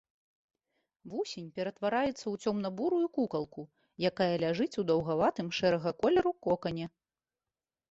Вусень ператвараецца ў цёмна-бурую кукалку, якая ляжыць у даўгаватым шэрага колеру кокане.